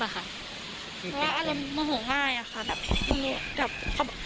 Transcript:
เพราะว่าอันนั้นมะโหง่ายค่ะ